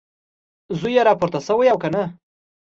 زوی یې راپورته شوی او که نه؟